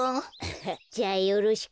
じゃあよろしく。